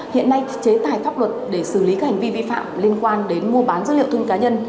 hiện nay chế tài pháp luật để xử lý các hành vi vi phạm liên quan đến mua bán dữ liệu thông tin cá nhân